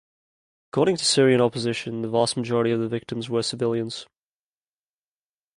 According to Syrian opposition, the vast majority of the victims were civilians.